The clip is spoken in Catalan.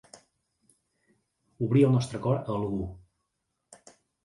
Obrir el nostre cor a algú.